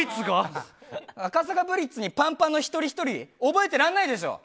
赤坂ＢＬＩＴＺにパンパンの一人ひとり覚えてらんないでしょ。